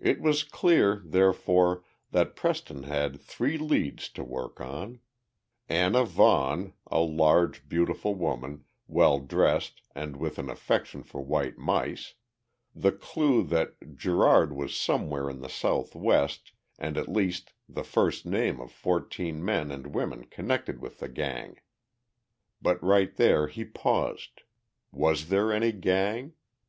It was clear, therefore, that Preston had three leads to work on: Anna Vaughan, a large, beautiful woman, well dressed and with an affection for white mice; the clue that Gerard was somewhere in the Southwest and at least the first names of fourteen men and women connected with the gang. But right there he paused. Was there any gang?